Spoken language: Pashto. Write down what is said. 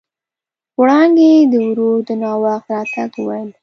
وړانګې د ورور د ناوخت راتګ وويل.